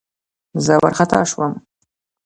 زه وارخطا شوم.